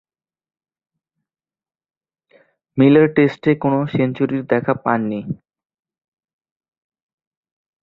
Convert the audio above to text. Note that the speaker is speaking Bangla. মিলার টেস্টে কোন সেঞ্চুরির দেখা পাননি।